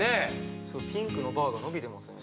そうピンクのバーが伸びてますよね